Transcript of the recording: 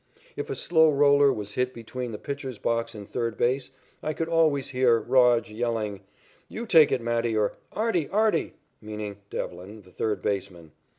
If a slow roller was hit between the pitcher's box and third base, I could always hear "Rog" yelling, "You take it, Matty," or, "Artie, Artie," meaning Devlin, the third baseman.